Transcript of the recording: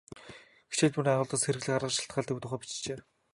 Хичээл бүрийн агуулгаас хэрэглэх арга шалтгаалдаг тухай бичжээ.